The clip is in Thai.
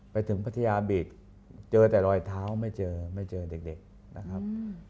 พัทยาบีกเจอแต่รอยเท้าไม่เจอไม่เจอเด็กนะครับ